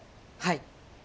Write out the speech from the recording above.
はい。